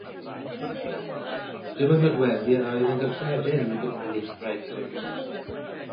Dyma nodweddion a oedd yn gyffredin mewn capeli Cymraeg y cyfnod.